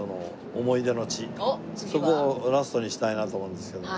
そこをラストにしたいなと思うんですけどもね。